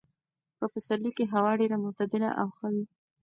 په پسرلي کې هوا ډېره معتدله او ښه وي.